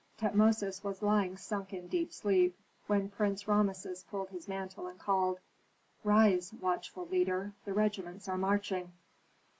Tutmosis was lying sunk in deep sleep, when Prince Rameses pulled his mantle, and called, "Rise, watchful leader. The regiments are marching!"